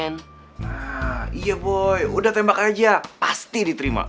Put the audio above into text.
nah iya boy udah tembak aja pasti diterima